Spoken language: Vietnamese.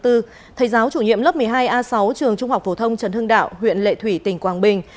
thầy giáo chủ nhiệm lớp một mươi hai a sáu trường trung học phổ thông trần hưng đạo huyện lệ thủy tỉnh quảng bình